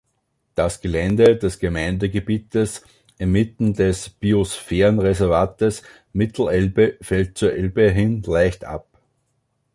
Das Gelände des Gemeindegebietes inmitten des Biosphärenreservates Mittelelbe fällt zur Elbe hin leicht ab.